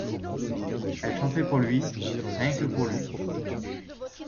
Elle chantait pour lui… rien que pour lui !…